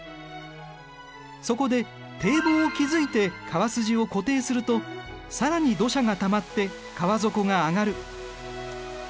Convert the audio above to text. そこで堤防を築いて川筋を固定すると更に土砂がたまって川底が上がる。